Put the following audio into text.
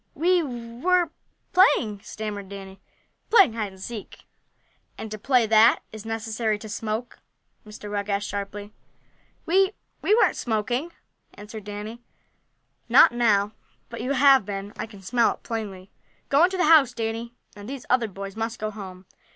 "We were playing!" stammered Danny. "Playing hide and seek." "And to play that is it necessary to smoke?" Mr. Rugg asked sharply. "We we aren't smoking," answered Danny. "Not now, but you have been. I can smell it plainly. Go into the house, Danny, and these other boys must go home.